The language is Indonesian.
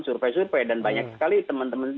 survei survei dan banyak sekali teman teman